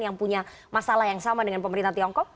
yang punya masalah yang sama dengan pemerintah tiongkok